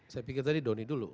saya pikir tadi doni dulu